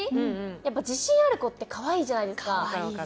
やっぱ自信ある子ってかわいいじゃないですか。